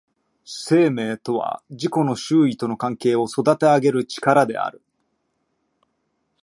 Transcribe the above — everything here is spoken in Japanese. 生命とは自己の周囲との関係を育てあげる力である。